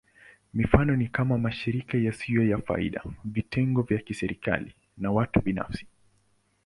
Mifano ni kama: mashirika yasiyo ya faida, vitengo vya kiserikali, na watu binafsi.